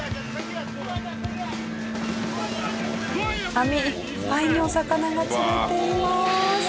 網いっぱいにお魚が釣れています。